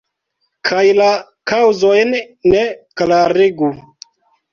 Kaj la kaŭzojn ne klarigu.